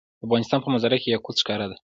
د افغانستان په منظره کې یاقوت ښکاره ده.